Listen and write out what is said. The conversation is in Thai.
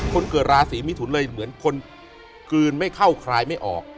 คนเกิดราศีมิถุนเลยเหมือนคนกลืนไม่เข้าคลายไม่ออก